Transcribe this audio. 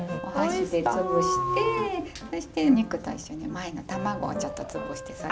お箸で潰してそしてお肉と一緒に前の卵をちょっと潰して